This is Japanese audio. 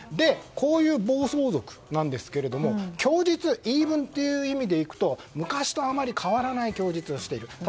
こういう暴走族なんですけれども供述、言い分という意味でいうと昔とあまり変わらない供述をしている。